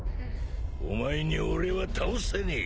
お前に俺は倒せねえ。